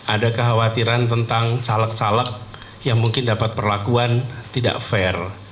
ada kekhawatiran tentang caleg caleg yang mungkin dapat perlakuan tidak fair